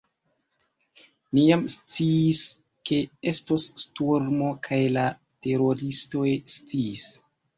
Ni jam sciis, ke estos sturmo, kaj la teroristoj sciis.